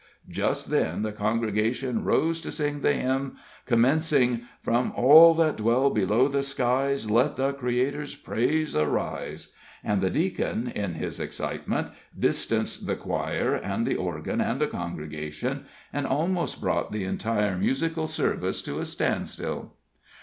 Just then the congregation rose to sing the hymn commencing: "From all that dwell below the skies Let the Creator's praise arise"; and the Deacon, in his excitement, distanced the choir, and the organ, and the congregation, and almost brought the entire musical service to a standstill.